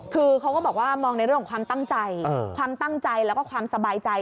คือเขาก็บอกว่ามองในเรื่องของความตั้งใจความตั้งใจแล้วก็ความสบายใจ